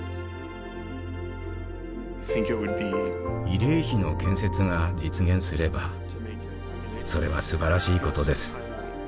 慰霊碑の建設が実現すればそれはすばらしいことです。